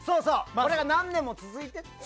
これが何年も続いてね。